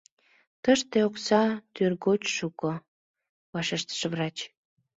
— Тыште окса тӱргоч шуко, — вашештыш врач.